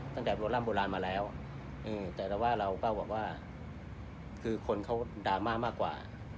ตั้งแต่โบร่ำโบราณมาแล้วแต่ว่าเราก็บอกว่าคือคนเขาดราม่ามากกว่า